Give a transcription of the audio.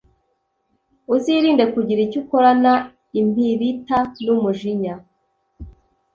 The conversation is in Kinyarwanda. uzirinde kugira icyo ukorana impirita n’umujinya